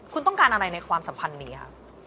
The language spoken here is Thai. คุณต้องการอะไรในความสัมพันธ์นี้